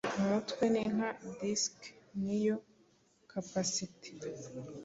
Umutwe ni nka disc niyo kapasite